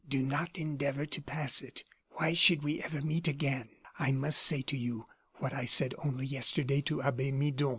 Do not endeavor to pass it. Why should we ever meet again? I must say to you, what I said only yesterday to Abbe Midon.